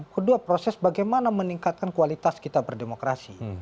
kedua proses bagaimana meningkatkan kualitas kita berdemokrasi